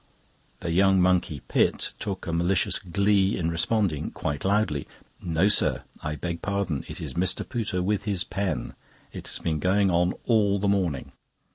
That young monkey, Pitt, took a malicious glee in responding quite loudly: "No, sir; I beg pardon, it is Mr. Pooter with his pen; it has been going on all the morning."